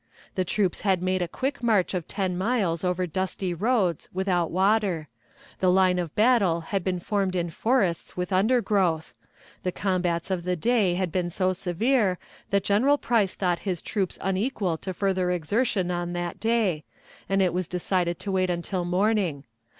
The troops had made a quick march of ten miles over dusty roads without water; the line of battle had been formed in forests with undergrowth; the combats of the day had been so severe that General Price thought his troops unequal to further exertion on that day, and it was decided to wait until morning.